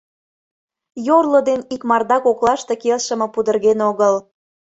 Йорло ден икмарда коклаште келшыме пудырген огыл.